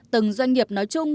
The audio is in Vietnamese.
từng doanh nghiệp nói chung